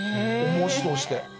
重しとして。